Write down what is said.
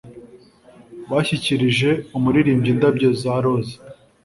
bashyikirije umuririmbyi indabyo za roza